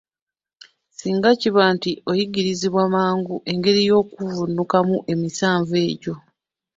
Singa kiba nti oyigirizibwa mangu engeri y'okuvvuunukamu emisanvu egyo.